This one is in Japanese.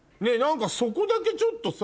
そこだけちょっとさ